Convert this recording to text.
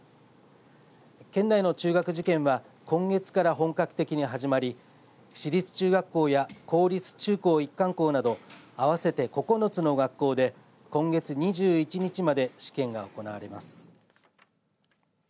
県内の中学受験は今月から本格的に始まり私立中学校や公立中高一貫校など合わせて９つの学校で今月２１日まで試験が行われます。